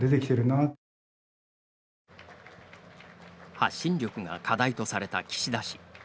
発信力が課題とされた岸田氏。